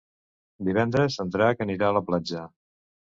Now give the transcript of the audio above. Divendres en Drac anirà a la platja.